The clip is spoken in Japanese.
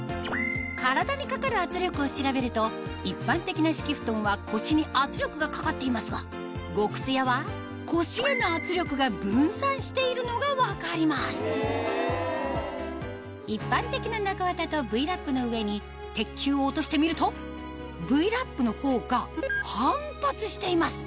体にかかる圧力を調べると一般的な敷布団は腰に圧力がかかっていますが極すやは腰への圧力が分散しているのが分かります一般的な中わたとＶ−Ｌａｐの上に鉄球を落としてみるとＶ−Ｌａｐのほうが反発しています